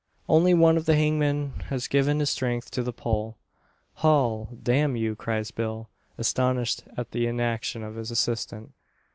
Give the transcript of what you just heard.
Only one of the hangmen has given his strength to the pull. "Haul, damn you!" cries Bill, astonished at the inaction of his assistant.